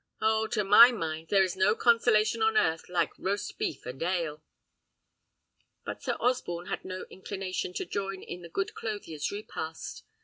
Oh! to my mind, there is no consolation on earth like roast beef and ale." But Sir Osborne had no inclination to join in the good clothier's repast.